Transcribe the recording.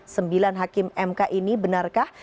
sembilan hakim mk ini benarkah